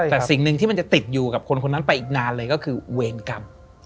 แต่สิ่งหนึ่งที่มันจะติดอยู่กับคนคนนั้นไปอีกนานเลยก็คือเวรกรรม